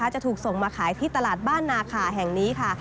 จะถูกส่งมาขายที่ตลาดบ้านนาคาแห่งนี้ค่ะ